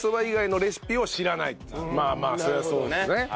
まあまあそりゃそうですね。